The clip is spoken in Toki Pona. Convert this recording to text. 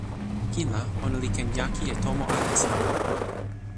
kin la ona li ken jaki e tomo ale sina.